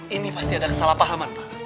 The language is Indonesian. ini pasti ada kesalahpahaman